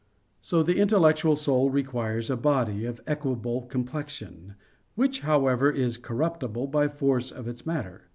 So the intellectual soul requires a body of equable complexion, which, however, is corruptible by force of its matter.